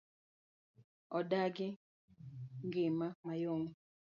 Odagi ng'ima ma yom.